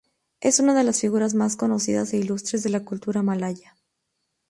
Es una de las figuras más conocidas e ilustres de la cultura malaya.